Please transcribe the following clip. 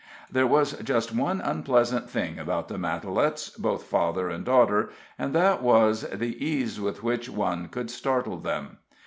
There was just one unpleasant thing about the Matalettes, both father and daughter, and that was, the ease with which one could startle them.